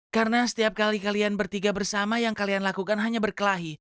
karena setiap kali kalian bertiga bersama yang kalian lakukan hanya berkelahi